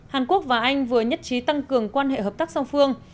hàn quốc và anh vừa nhất trí tăng cường quan hệ hợp tác song phương